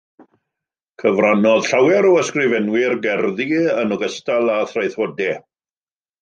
Cyfrannodd llawer o ysgrifenwyr gerddi yn ogystal â thraethodau.